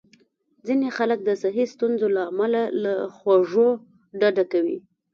ځینې خلک د صحي ستونزو له امله له خوږو ډډه کوي.